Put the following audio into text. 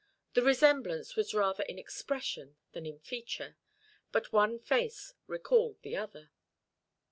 The resemblance was rather in expression than in feature, but one face recalled the other.